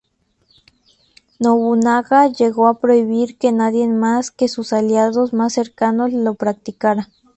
Nobunaga llegó a prohibir que nadie más que sus aliados más cercanos lo practicara.